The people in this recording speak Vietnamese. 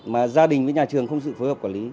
mà gia đình với nhà trường không sự phối hợp quản lý